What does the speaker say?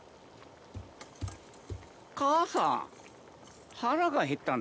母さん。